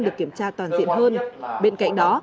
được kiểm tra toàn diện hơn bên cạnh đó